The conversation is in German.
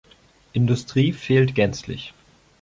Industrie fehlt gänzlich.